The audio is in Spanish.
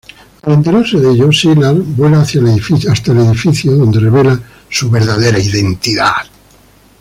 Al enterarse de ello, Sylar vuela hasta el edificio, donde revela su verdadera identidad.